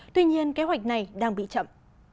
tuy nhiên kế hoạch này đang bị chậm